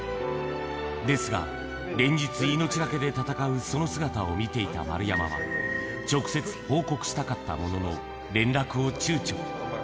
ですが、連日、命懸けで闘うその姿を見ていた丸山は、直接報告したかったものの、連絡をちゅうちょ。